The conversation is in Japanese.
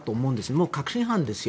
もう確信犯ですよ。